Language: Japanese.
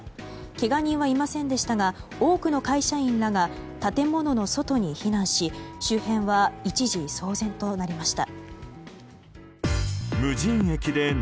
けが人はいませんでしたが多くの会社員らが建物の外に避難し周辺は一時騒然となりました。